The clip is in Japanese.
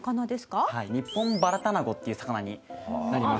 ニッポンバラタナゴっていう魚になります。